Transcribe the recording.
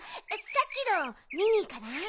さっきのみにいかない？